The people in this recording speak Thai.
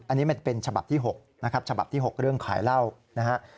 อันนี้ใช่เป็นฉบับที่๖เรื่องขายเหล้านะครับ